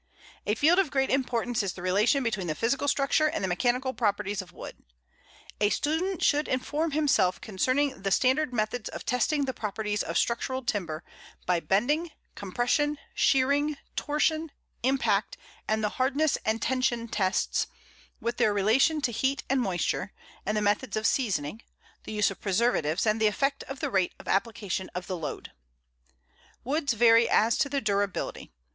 A field of great importance is the relation between the physical structure and the mechanical properties of wood. A student should inform himself concerning the standard methods of testing the properties of structural timber, by bending, compression, shearing, torsion, impact, and the hardness and tension tests, with their relation to heat and moisture, and the methods of seasoning, the use of preservatives, and the effect of the rate of application of the load. Woods vary as to their durability.